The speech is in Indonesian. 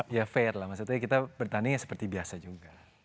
ya fair lah maksudnya kita bertanding seperti biasa juga